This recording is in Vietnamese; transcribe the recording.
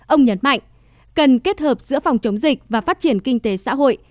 ông nhấn mạnh cần kết hợp giữa phòng chống dịch và phát triển kinh tế xã hội